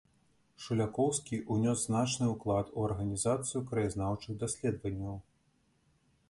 Шулякоўскі ўнёс значны ўклад у арганізацыю краязнаўчых даследаванняў.